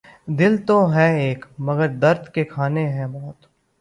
دل تو ہے ایک مگر درد کے خانے ہیں بہت